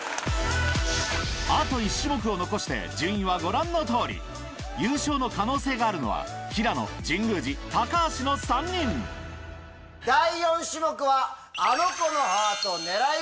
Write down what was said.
あと１種目を残して順位はご覧の通り優勝の可能性があるのは平野神宮寺橋の３人第４種目は。